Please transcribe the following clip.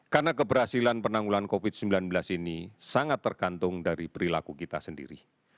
karena keberhasilan penanggulan covid sembilan belas ini sangat tergantung dari perilaku kita sendiri